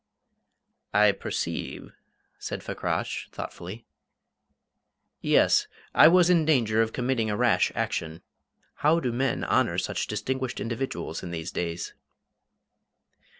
"I perceive," said Fakrash, thoughtfully. "Yes, I was in danger of committing a rash action. How do men honour such distinguished individuals in these days?"